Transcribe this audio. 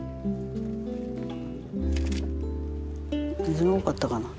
水多かったかな